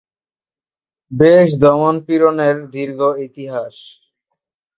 দেশ দমন নিপীড়নের দীর্ঘ ইতিহাস।